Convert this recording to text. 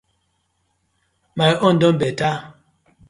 My own don better.